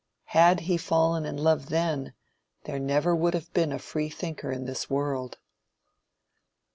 Had he fallen in love then, there never would have been a Freethinker in this world.